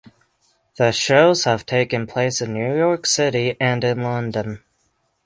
The shows have taken place in New York City and in London.